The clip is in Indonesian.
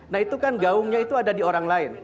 nah itu kan gaungnya itu ada di orang lain